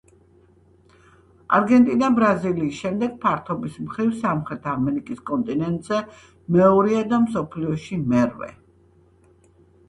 არგენტინა, ბრაზილიის შემდეგ, ფართობის მხრივ სამხრეთ ამერიკის კონტინენტზე მეორეა და მსოფლიოში მერვე.